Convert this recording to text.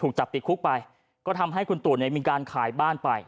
จับติดคุกไปก็ทำให้คุณตู่เนี่ยมีการขายบ้านไป